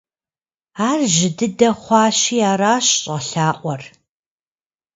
Ар жьы дыдэ хъуащи, аращ щӀэлъаӀуэр.